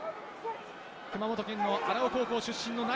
熊本県の荒尾高校出身の流。